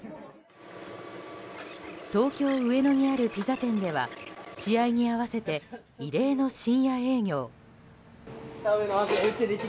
東京・上野にあるピザ店では試合に合わせて異例の深夜営業。